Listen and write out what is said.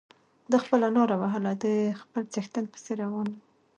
ده خپله لاره وهله د خپل څښتن پسې روان و.